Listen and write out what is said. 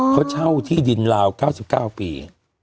เขาเช่าที่ดินลาว๙๙ปี